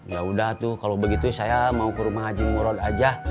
yaudah tuh kalau begitu saya mau ke rumah haji murad aja